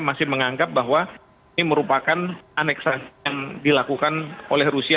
masih menganggap bahwa ini merupakan aneksasi yang dilakukan oleh rusia